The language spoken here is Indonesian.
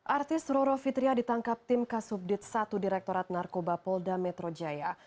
artis roro fitria ditangkap tim kasubdit satu direktorat narkoba polda metro jaya